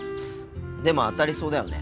でも当たりそうだよね。